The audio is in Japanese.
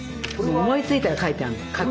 思いついたら書いてあんの。